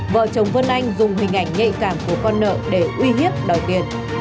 vợ chồng vân anh dùng hình ảnh nhạy cảm của con nợ để uy hiếp đòi tiền